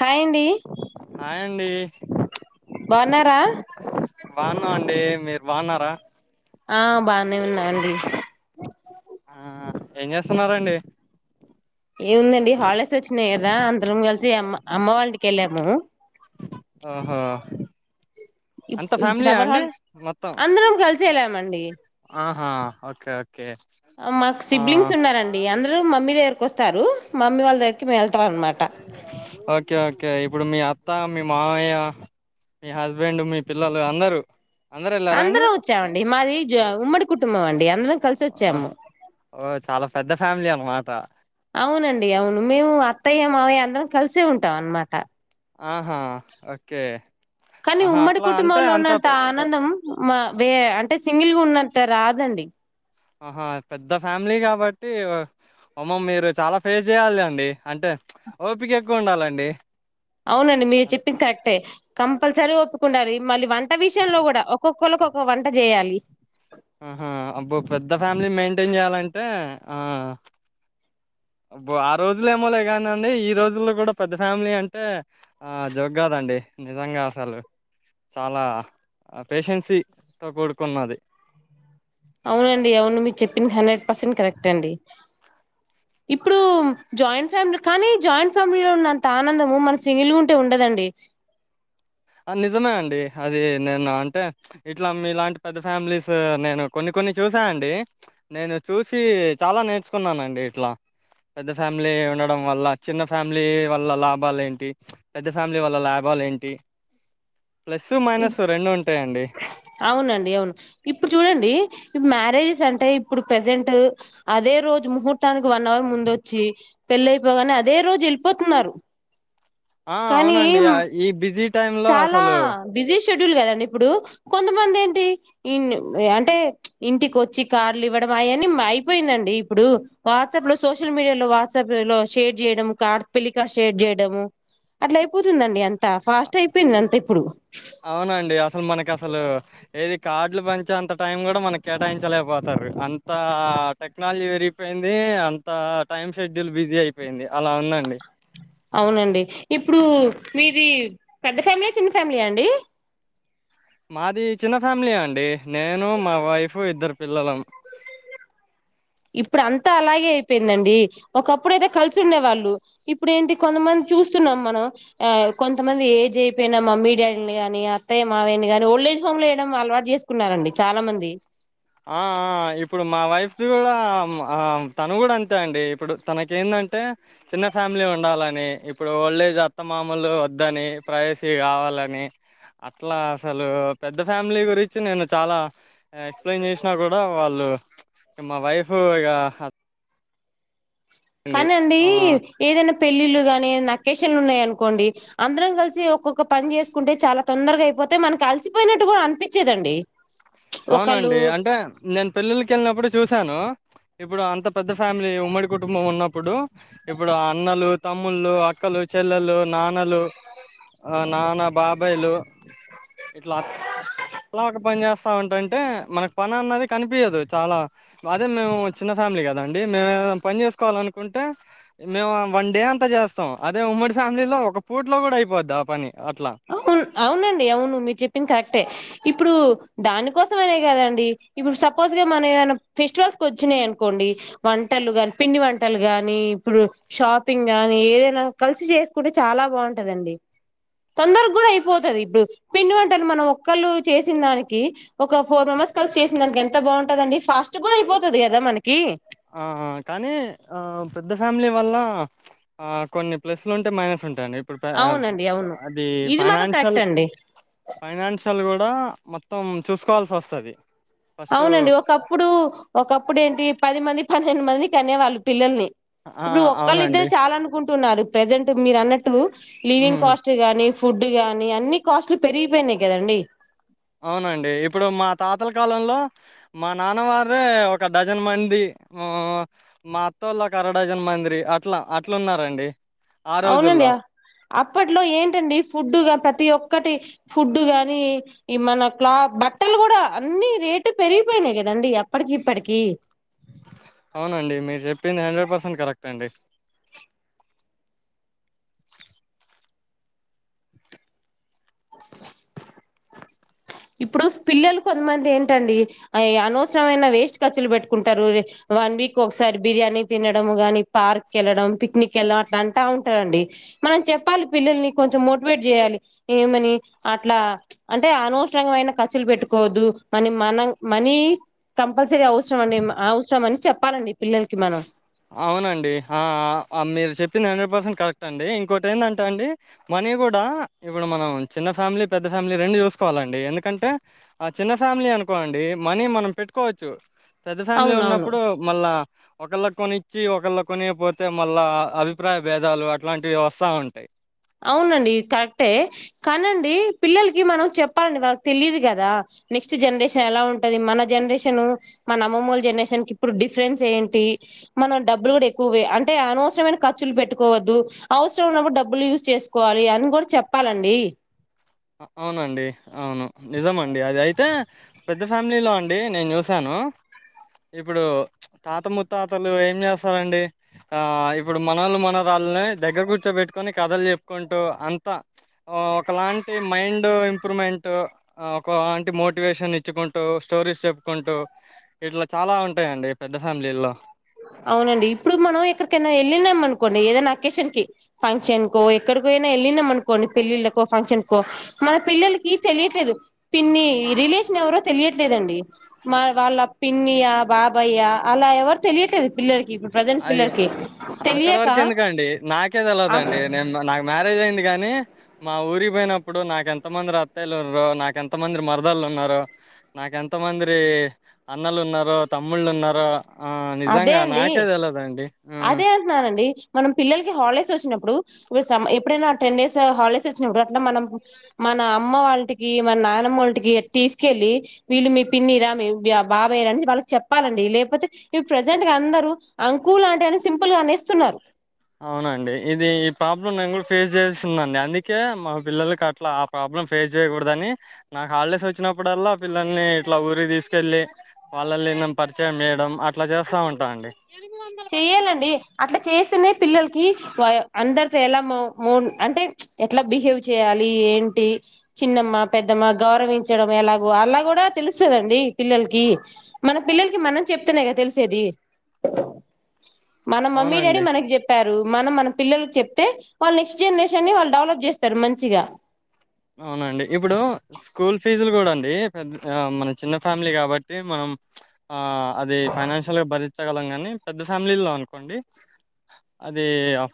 Hi అండి డి బగున బానం అండి మీరు బన్నర ఆహ్ బా న్నె ఉన్న అండి ఆ ఏం చేస్తునరండి ఏముందండి హాలిడేస్ వచ్చినాయి కదా అందరం కలి అమ్మ అమ్మ వాళ్ళ ఇంటికి వెళ్ళాము ఓహో ఈ అంత ఇపుడు ఫ్యామిలీయా సమ్మర్ అండి హాల మొత్తం అందరం కలిసి వెళ్ళమండి ఆహా ఓకే ఓకే మాకు ఆ సిబ్లింగ్స్ ఉన్నారండి అందరూ మమ్మీ దగ్గ వస్తారు మమ్మీ వాళ్ళ ద ఓకే ఓకే ఇప్పుడు మీ అత్త మీ మామయ్య మీ హస్బెండ్ మీ పిల్లలు అందరూ అందరు వెళ్ళారా అండి అందరం వచ్చామండి మాది ఉమ్మడి కుటుంబం అండి అందరం కలిసి వచ్చాము. ఓ చాలా పెద్ద ఫ్యామిలీ అనమాట అవునండి. అవును మేము అత్తయ్య మావయ్య అందరం కలిసే ఉంటాం అనమాట. ఆహా ఓకే కానీ ఆహా ఉమ్మడి అట్లా అంటే కుటుంబంలో అంత ఉన్నంత ఆనందం మా అంటే సింగిల్ గా ఉన్నంటారాద్ దండి ఆహా పెద్ద ఫ్యామిలీ కాబట్టి ఉమ్మ మీరు చాలా ఫేస్ చేయాలి అండి అంటే ఓపిక ఎక్కువ ఉండాలండి. అవునండి మీరు చెప్పింది కరెక్టే కంపల్సరీ ఒప్పుకుండాలి. మళ్ళీ వంట విషయంలో కూడా ఒక్కొక్ క్కళ్ళక్ ఒక్కొ వంట చేయాలి ఆహా అబ్బో పెద్ద ఫ్యామిలీ మెయింటైన్ చేయాలంటే ఆ అబ్బా ఆ రోజులు ఏమో లే కానిండి ఈ రోజుల్లో కూడా పెద్ద ఫ్యామిలీ అంటే ఆ జోగ్ కాదండి నిజంగా అసలు చాలా పేషెన్సీతో కూడుకున్నది. అవునండి. అవును మీరు చెప్పింది హండ్రెడ్ పర్సెంట్ కరెక్ట్ అండి. ఇప్పుడు జాయింట్ ఫ్యామిలీ కానీ జాయింట్ ఫ్యామిలీ లో ఉన్నంత ఆనందము మన సింగిల్ ఉంటే ఉండదండి. నిజమే అండి అది నేను అంటే ఇట్లా మీలాంటి పెద్ద ఫ్యామిలీస్ నేను కొన్ని కొన్ని చూసానుండి నేను చూసి చాలా నేర్చుకున్నానుండి ఇట్లా పెద్ద ఫ్యామిలీ ఉండడం వల్ల చిన్న ఫ్యామిలీ వల్ల లాభాలు ఏంటి పెద్ద ఫ్యామిలీ వల్ల లాభాలు ఏంటి ప్లస్ ఇప్ మైనస్ రెండు ఉంటాయండి అవునండి అవును ఇప్పుడు చూడండి మ్యారేజ్ అంటే ఇప్పుడు ప్రజెంట్ అదే రోజు ముహూర్తానికి వన్ అవర్ ముందు వచ్చి పెళ్లి అయిపోగానే అదే రోజు వెళ్ళిపోతున్నారు. ఆ కానీ అవునండి ఈ బిజీ టైమ్ లో అసలు ఇ షెడ్యూల్ కదండి ఇప్పుడు కొంతమంది ఏంటి అంటే ఇంటికి వచ్చి కార్లు ఇవ్వడం అవన్న అయిపోయిందండి. ఇప్పుడు వాట్సాప్ లో సోషల్ మీడియా లో వాట్సాప్ లో షేర్ చేయడం కార్ పెలికార్స్ట్ షేర్ చేయడము అట్లా అయిపోతుందండి అంత ఫాస్ట్ అయిపోయింది అంత ఇప్పుడు. అవునండి అసలు మనకు అసలు ఏది కార్డ్లు పంచేంత టైం కూడా మనకి కేటాయించలేకపోతార్రు. అంత టెక్నాలజీ పెరిగిపోయింది. అంత టైం షెడ్యూల్ బిజీ అయిపోయింది. అలా ఉందండి. అవునండి. ఇప్పుడు మీది పెద్ద ఫ్యామిలీయా చిన్న ఫ్యామిలీయా అండి మాది చిన్న ఫ్యామిలీ అండి నేను మా వైఫ్ ఇద్దరు పిల్లలం అ ఇప్పుడు అంతా అలాగే అయిపోయిందండి. ఒకప్పుడుయితే కలిసి ఉండే వాళ్ళు ఇప్పుడేంటి కొంతమంది చూస్తున్నాం మనం ఆ కొంతమంది ఏజ్ అయిపోయిన మమ్మీ డాడీని గాని అత్తయ్య మావయ్యని గాని ఓల్డ్ ఏజ్ హోమ్ లో వయడం అలవాటు చేసుకున్నారంండి చాలా మంది. ఆ ఆ ఇప్పుడు మా వైఫ్ది కూడా తను కూడా అంతే అండి ఇప్పుడు తనక ఏందంటే చిన్న ఫ్యామిలీ ఉండాలని ఇప్పుడు ఓల్డేజ్ అత్త మామూలు వద్దని ప్రైవసీ కావాలని అట్లా అసలు పెద్ద ఫ్యామిలీ గురించి నేను చాలా ఎక్స్ప్లెయిన్ చేసినా కూడా వాళ్ళు మా వైఫ్ ఇక కానండి ఆ ఏదైనా పెళ్ళిళ్ళు గానీ నకేషన్లు ఉన్నాయి అనుకోండి అందరం కలిసి ఒక్కొక్క పని చేసుకుంటే చాలా తొందరగా అయిపోతయి మనకి కలిసిపోయినట్టు కూడా అనిపించదండి. అవునండి అంటే నేను పెళ్ళిల్లకి వెళ్ళినప్పుడు చూశాను ఇప్పుడు అంత పెద్ద ఫ్యామిలీ ఉమ్మడి కుటుంబం ఉన్నప్పుడు ఇప్పుడు అన్నలు తమ్ముళ్ళు అక్కలు చెల్లెలు నాన్నలు ఆ నానా బాబాయిలు ఇట్లా అలా ఒక పని చేస్తామంటంటే మనకు పని అన్నది కనిపించదు చాలా అదే మేము చిన్న ఫ్యామిలీ కదండి. మేము ఏ పని చేసుకోవాలనుకుంటే మేము వన్ డే అంతా చేస్తాం. అదే ఉమ్మడి ఫ్యామిలీలో ఒక పూటలో కూడా అయిపోద్ది. ఆ పని అట్లా అవును అవునండి అవును మీరు చెప్పిిన కరెక్టే. ఇప్పుడు దానికోసం అనే కదండి ఇప్పుడు సపోజ్గా మన ఏమైనా ఫెస్టివల్స్ వచ్చినయి అనుకోండి వంటలు ని పిండి వంటలు గాని ఇప్పుడు షాపింగ్ గాని ఏదైనా కలిసి చేసుకుంటే చాలా బాగుంటదండి. తొందరగ్ గుడా అయిపోతది ఇప్పుడు పిండి వంటలు మనం ఒక్కళ్ళు చేసిన దానికి ఒక ఫోర్ మెంబర్స్ కలిసి చేసిన దానికి ఎంత బాగుంటందండి ఫాస్ట్ కూడా అయిపోతది కదా మనకి ఆహా కానీ ఆ పెద్ద ఫ్యామిలీ వల్లా ఆ కొన్ని ప్లస్లు ఉంటే మైనస్ ఉం టే అండి ఇప్పుడు అవునండి [unintelligible] అవును అది ఇది మాత్రం ఫైనాన్షియల్ కరెక్ట్ అండి ఫైనాన్షియల్ కుడ్ బ మొత్తం చూసుకోవాల్సి వస్తాది అవునండి ఒకప్పుడు ఒకప్పుడు ఏంటి పది మంది పన్నెండు మందికి కనే వాళ్ళు పిల్లల్ని ఆ ఇప్పుడు ఒక్కళ్ళ ఇద్దరు అవునండి చాల అనుకుం తున్నారు ప్రజెంట్ మీరు అన్నట్టు లివింగ్ ఉమ్ కాస్ట్ గాని ఫుడ్ గానీ అన్ని కాస్ట్లు పెరిగిపోయినాయి కదండి అవునండి ఇప్పుడు మా తాతల కాలంలో మా నాన్న వారే ఒక డజన్ మంది ఆ మా అత్తోళ్ళ ఒక అర డజన్ మంద్రి అట్లా అట్లు ఉన్నారండి అవునండి అప్పట్లో ఏంటండి ఫుడ్డుగా ప్రతి ఒక్కటి ఫుడ్డు గాని ఈ మన క్లా బట్టలు కూడా అన్ని రేటు పెరిగిపోయినాయి కదండి అప్పటికి ఇప్పటికి అవునండి మీరు చెప్పింది హండ్రెడ్ పర్సెంట్ కరెక్ట్ అండి ఇప్పుడు పిల్లలు కొంతమంది ఏంటండి అనవసరమైన వేస్ట్ ఖర్చులు పెట్టుకుంటారు వన్ వీక్ ఒకసారి బిర్యానీ తినడం గాని పార్క్ ఎళ్ళడం పిక్నిక్ ఎల్లా అట్లా అంట ఉంటారండి మనం చెప్పాలి పిల్లల్ని కొంచెం మోటివేట్ చేయాలి ఏమని అట్లా అంటే అనవస్ మైన ఖర్చులు పెట్టుకోవద్దు మనీ మనం మనీ కంపల్సరీ అవసరం అండి అవసరం అని చెప్పాలండి పిల్లలకి మనం అవునండి ఆ మీరు చెప్పింది హండ్రెడ్ పర్సెంట్ కరెక్ట్ అండి ఇంకోటి ఏంటంటే అండి మనీ కూడా ఇప్పుడు మనం చిన్న ఫ్యామిలీ పెద్ద ఫ్యామిలీ రెండు చూసుకోవాలండి ఎందుకంటే ఆ చిన్న ఫ్యామిలీ అనుకోండి మనీ మనం పెట్టుకోవచ్చు పెద్ద ఫ్యామిలీ అవునవును ఉన్నప్పుడు మళ్ళా ఒక్కళ్ళక్ కొనిచ్చి ఒకళ్ళ కొనియకపోతే మళ్ళా అభిప్రాయ భేదాలు అట్లాంటివి వస్తా ఉంటాయి అవునండి కరెక్టే కానండి పిల్లలకి మనం చెప్పాలండి వాళ్ళక్ తెలియిదు కదా నెక్స్ట్ జనరేషన్ ఎలా ఉంటది మన జనరేషన్ మన అమ్మమ్మూల జనరేషన్ క ఇప్పుడు డిఫరెన్స్ ఏంటి మనం డబ్బులు కూడా ఎక్కువే అంటే అనవసరమైన ఖర్చులు పెట్టుకోవద్దు అవసరం ఉన్నప్పుడు డబ్బులు యుస్ చేసుకోవాలి అని కూడా చెప్పాలండి అవునండి అవును నిజమండి అది అయితే పెద్ద ఫ్యామిలీలో అండి నేను చూశాను ఇప్పుడు తాత ముత్తాతలు ఏం చేస్తారండి ఇప్పుడు మనళ్ళు మనరాళ్ళని దగ్గర కూర్చోబెట్టుకొని కథలు చెప్పుకుంటూ అంతా ఓ ఒకలాం మైండ్ ఇంప్రూవ్మెంట్ ఒక అంటి మోటివేషన్ ఇచ్చుకుంటూ స్టోరీస్ చెప్పుకుంటూ ఇట్లా చాలా ఉంటాయి అండి అవునండి ఇప్పుడు మనం ఎక్కడికైనా ఎళ్ళినాం అనుకోం ఏదైనా అకేషన్ కి ఫంక్షన్ కో ఎక్కడికో అయినా వెళ్ళినాం అనుకోండి పెళ్లిళ్కో ఫంక్షన్కో మన పిల్లలకి తెలియట్లేదు పిన్ని రిలేషన్ ఎవరో తెలియట్లేదండి మా వాళ్ళ పిన్నియా బాబాయ్యా అలా ఎవరు తెలియట్లేదు పిల్లలక్ ఇప్పుడు ప్రజెంట్ అయ్యో పిల్లర్కి తెలియక కేతెల్వదండి నేను నా నాక్ మ్యారేజ్ అయింది కానీ మా ఊరికి పోయినప్పుడు నాకెంతమంద్రి అత్తయ్యలు ఉన్నారు నాకేంతమంద్రి మరదళ్ళు ఉన్నారు నాకెంతమందిరి అన్నలు ఉన్నారు తమ్ముళ్ళు ఉన్నారు ఆ నిజంగా హి నాక్ అదే అంటున్నానండి మనం పిల్లలకి హాలిడేస్ వచ్చినప్పుడు ఇప్పు సం ఎప్పుడైనా టెన్ డేస్ హాలిడేస్ వచ్చినప్పుడు అట్లా మనం మన అమ్మ వాళ్ టికి మా నాన్నమ్మూళటికి టీసుకెళ్ళి వీళ్ళు మీ పిన్నిరా మీ బాబాయ్యరా అని వాళ్ళకి చెప్పాలండి లేపోతే ఇవి ప్రజెంట్ గా అందరు అంకులు అంటే అని సింపుల్ గా అనేస్తున్నారు అవునండి ఇది ఈ ప్రాబ్లం నేను కూడా ఫేస్ చేస్తుందండి అందుకే మా పిల్లలకి అట్లా ఆ ప్రాబ్లం ఫేస్ చేయకూడదని నాకు హాలిడేస్ వచ్చినప్పుడల్లా పిల్లల్ని ఇట్లా ఊరికి తీసుకెళ్ళి వాళ్ళల్ని నేను పరిచయం చేేయడం అట్లా చేస్తా ఉంటాను అండి చెయ్యాలండి అట్లా చేస్తేనే పిల్లలకి వయ అందరితో ఎలా ము మూన్ అంటే ఎట్లా బిహేవ్ చేయాలి ఏంటి చిన్నమ్మా పెద్దమ్మా గౌరవించడం ఎలాగో అలా గుడా తెలుస్తదండి పిల్లలకి మన పిల్లలకి మనం చెప్తనే కదా తెలిసేది మన మమ్మీ డాడీ అవునండి మనకి చెప్పారు రు మన మన పిల్ల చెప్తే వాళ్ళు నెస్ట్ జనరేషన్ వాళ్ళు డెవలప్ చేస్తారు మంచిగా అవునండి ఇప్పుడు స్కూల్ ఫీజులు కూడా అండి పెద్ద ఫ్యా మన చిన్న ఫ్యామిలీ కాబట్టి మనం ఆ అది ఫైనాన్షియల్గా భరించగలం కానీ పెద్ద ఫ్యామిలీల్లో అనుకోండి అది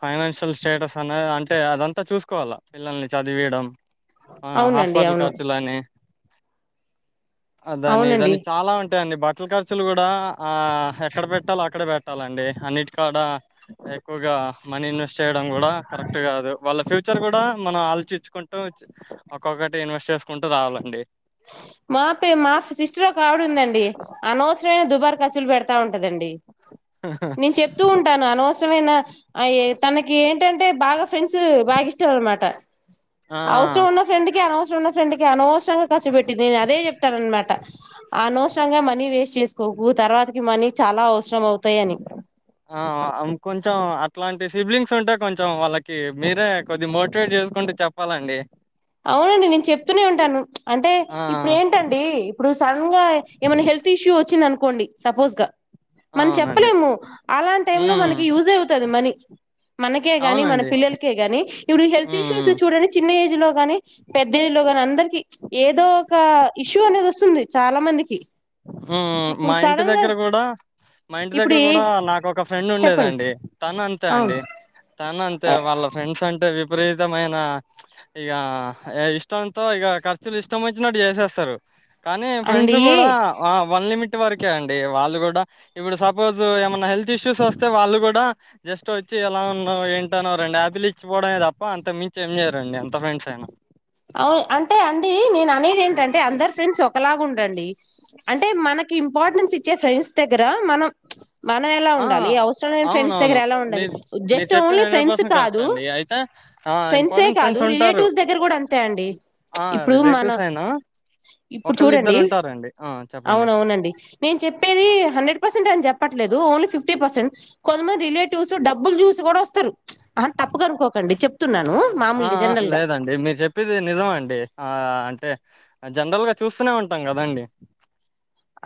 ఫైనాన్షియల్ స్టేటస్ అని అంటే అదంతా చూసుకోవాలా పిల్లల్ని చదివియడం ఆ అవునండి హాస్పిటల్ అవును ఖర్చులని అ దాని అవునండి దాన్ని చాలా అం టే అండి బట్టల ఖర్చులు కూడా ఆ ఎక్కడ పెట్టలో అక్కడ పెట్టాలండి అన్నిటి కాడా ఎక్కువగా మనీ ఇన్వెస్ట్ చేయడం కూడా కరెక్ట్ కాదు వాళ్ళ ఫ్యూచర్ కూడా మనం ఆలోచించుకుం టూచ్ ఒక్కొక్కటి ఇన్వెస్ట్ చేసుకుంటూ రావాలండి మా పే మా సిస్టర్ ఒక ఆవిడుందండి డీ అనవసరైన దుబార్ కర్చులు పెడతా ఉంటా కదండి నేను చెప్తూ ఉంటాను అనవస్ చమేనా అయ్యే తనకి ఏంటంటే బాగా ఫ్రెండ్స్ బాగా ఇష్టం అనమాట ఆ! అవసరం ఉన్న ఫ్రెండ్ కి అనవస్ ఉన్న ఫ్రెండ్ కి అనవస్ ఖర్చు పెట్టిద్ది నేను అదే చెప్తానమాట అనవసరంగా మనీ వేస్ చేసుకోకు తర్వాతకి మనీ చాలా అవసరం అవుతాయని ఆ ఆ అం కొంచెం అట్లాం మీ సిబ్లింగ్స్ ఉంటే కొంచెం వాళ్ళకి మీరే కొద్ది మోటివేట్ చేసుకుంటే చెప్పాలండి అవునండి నేను చెప్తూనే ఉంటాను అంటే ఆ! ఇప్పుడెంటండి ఇప్పుడు సడన్ గా ఏమైనా హెల్త్ ఇష్యూ వచ్చింద అను కోండి సపోస్ గా ఆ! మన్ అవునండి. చెప్పలేము అలాంటి టైమ్ లో హ్మ్. మనకి యూజ్ అవుతది మనీ మనకే గాని మన అవునండి. పిల్లలకే గాని ఇప్పుడు హెల్త్ హ్మ్. Issues hmm. చూడని చిన్న ఏజ్ లో పెద్దిరిల్లో గానీ అందరికి ఏదో ఒక ఇష్యూ అనేది వస్తుంది చాలా మందికి మ్మ్ మ్మ్ ఇప్పుడు మా ఇంటి సడన్ గా దగ్గర కూడా మా ఇంటి ఇప్పుడు దగ్గర ఏ కూడా నాకు ఒక ఫ్రెండ్ చెప్పండి ఉండేదండి తను అంతే అవును అండి తన అంతే వాళ్ళ ఫ్రెండ్స్ అంటే విపరీతమైన ఇక ఇష్టంతో ఇక ఖర్చులు ఇష్టం వచ్చినట్టు చేసేస్తారు కానీ ఫ్రెండ్స్ అండి కూడా వన్ లిమిట్ వరకే అండి వాళ్ళు కూడా ఇప్పుడు సపోజ్ ఏమైన్నా హెల్త్ ఇష్యూస్ వస్తే వాళ్ళు కూడా జస్ట్ వచ్చి ఎలా ఉన్నా ఏంటానో రెండు హయాపిల్ ఇచ్చిపోవడమే తప్ప అంతకు మించి ఏం చేయ్యరండి ఎంత ఫ్రెండ్స్ అయినా అవు అంటే అండి నేను అనేది ఏంటంటే అందరు ఫ్రెండ్స్ ఒకలాగా ఉండరండి అంటే మనక్ కి ఇంపార్టెన్స్ ఇచ్చే ఫ్రెండ్స్ దగ్గర మనం మనం ఎలా ఆ ఉండాలి అవసరం లేని ఫ్రెండ్స్ దగ్గర అవునవును ఎలా ఉండాలి మీరు మీరు జస్ట్ చెప్పింది only hundred friends percent correct కాదు అండి. అయితే ఆ ఫ్రెండ్సే ఇంపార్టెంట్ కాదు ఫ్రెండ్స్ ఉంటారు. రిలేటివ్స్ దగ్గర కూడా తే అండి ఆ ఇప్పుడు మన రిలేటివ్స్ అయినా ఇప్పుడు చూడండి ఒకళ్ళిద్దరు ఉంటారండి. ఆ చెప్పండి. అవునవునండి నేను చెప్పేది హండ్రెడ్ పర్సెంట్ అని చెప్పట్లేదు ఓన్లీ ఫిఫ్ ఫిఫ్టీ పర్సెంట్ కొంతమంది రిలేటివ్స్ డబ్బులు చూసి కూడా వస్తారు ఆ తప్పగా అనుకోకండి చెప్తున్నాను మామూలుగా జనరల్ గా ప్పేది నిజం అండి ఆ అంటే జనరల్ గా చూస్తూనే ఉంటాం కదాండి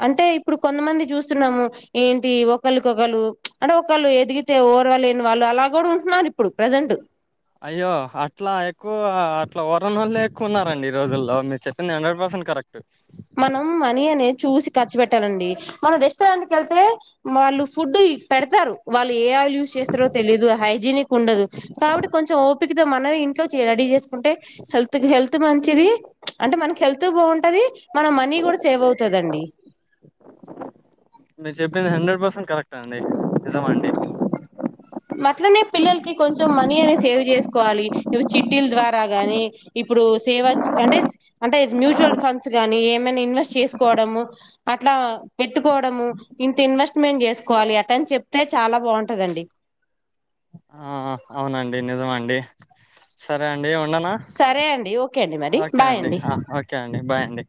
అంటే ఇప్పుడు కొంతమంది చూస్తున్నాము ఏంటి ఒకలకి ఒకరు అంటే ఒకళ్ళు ఎదిగితే ఓరవ లేని వాళ్ళు అలా కూడా ఉంటున్నారు ఇప్పుడు ప్రజెంట్ అయ్యో అట్లా ఎక్కువ అట్లా ఓర్వనోలె ఎక్కువ ఉన్నారండి ఈ రోజుల్లో మీరు చెప్పింది హండ్రెడ్ పర్సెంట్ కరెక్ట్ మనం మనీ అనే చూసి ఖర్చు పెట్టాలండి మన రెస్టారెంట్కి ఏళ్తే వాళ్ళు ఫుడ్ పెడతారు వాళ్ళు ఏ ఆయిల్ యూస్ చేస్తారో తెలీదు హైజీనిక్ ఉండదు కాట్టి కొంచెం ఓ పికతో మనమే ఇంట్లో రడీ చేసు కంటే హెల్త్కు హెల్త్ మంచి మంచిది అంటే మనకి హెల్త్ బాగుంటది మన మనీ కూడా సేవ్ అవుతుందండి మీరు చెప్పింది హండ్రెడ్ పర్సెంట్ కరెక్ట్ అండి నిజం అండి అట్లనే పిల్లలకి కొంచెం మనీ అనే సేవ్ చేసుకోవాలి ఇ చిట్టీల ద్వారా గానీ ఇప్పుడు సేవ్ అంటే అంటే మ్యూచువల్ ఫండ్స్ గానీ ఏమైనా ఇన్వెస్ట్ చేసుకోవడము అట్లా పెట్టుకోవడము ఇంత ఇన్వెస్ట్మెంట్ చేసుకోవాలి అట్లని చెప్తే చాలా బాగుంటదండి ఆ అవునండి నిజమండి సరే అండి ఉండనా సరే అండి ఓకే అండి మరి ఓకే బాయ్ అండి ఆ ఓకే అండి బాయ్ అండి